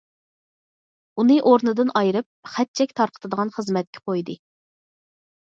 ئۇنى ئورنىدىن ئايرىپ خەت- چەك تارقىتىدىغان خىزمەتكە قويدى.